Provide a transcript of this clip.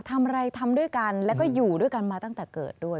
ทำอะไรทำด้วยกันแล้วก็อยู่ด้วยกันมาตั้งแต่เกิดด้วย